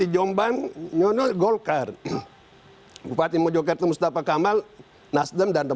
jangan kita melihat